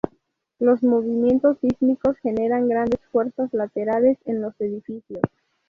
Los movimientos sísmicos generan grandes fuerzas laterales en los edificios.